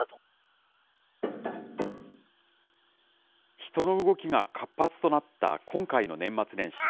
人の動きが活発となった今回の年末年始。